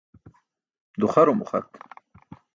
Duxarum uxat.